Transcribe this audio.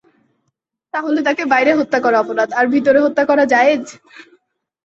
তাহলে তাকে বাইরে হত্যা করা অপরাধ, আর ভিতরে হত্যা করা জায়েজ?